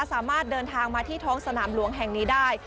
สามารถเดินทางมาที่ท้องสนามหลวงแห่งนี้ได้